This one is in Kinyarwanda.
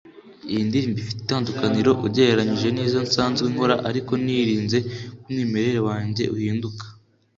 Iyi ndirimbo ifite itandukaniro ugereranyije n’izo nsanzwe nkora ariko nirinze ko umwimerere wanjye uhinduka